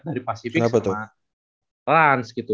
dari pasifik sama trans gitu